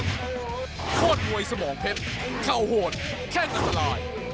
คลอดมวยสมองเพชรเข้าโหดแค่กระต่าลาย